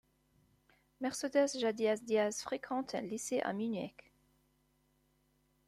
Mercedes Jadea Diaz fréquente un lycée à Munich.